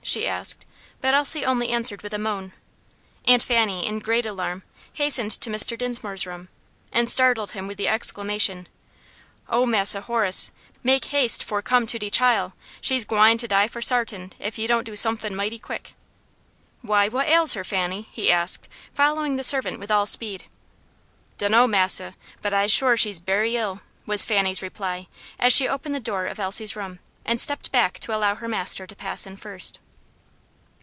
she asked; but Elsie only answered with a moan; and Fanny, in great alarm, hastened to Mr. Dinsmore's room, and startled him with the exclamation: "Oh, Massa Horace, make haste for come to de chile! she gwine die for sartain, if you don't do sumfin mighty quick!" "Why, what ails her, Fanny?" he asked, following the servant with all speed. "Dunno, Massa; but I'se sure she's berry ill," was Fanny's reply, as she opened the door of Elsie's room, and stepped back to allow her master to pass in first.